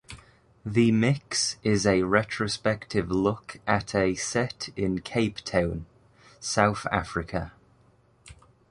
The mix is a retrospective look at a set in Cape Town, South Africa.